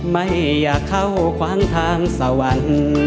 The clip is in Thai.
ไม่อยากเข้าขวางทางสวรรค์